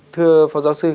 thưa phó giáo sư